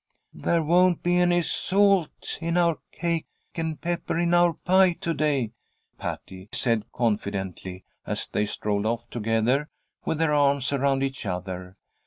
"There won't be any salt in our cake and pepper in our pie to day," Patty said, confidently, as they strolled off together with their arms around each other.